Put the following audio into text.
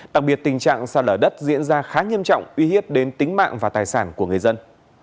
đặc biệt tình trạng sạt lở đất diễn ra khá nghiêm trọng uy hiếp đến tính mạng và tài sản của người dân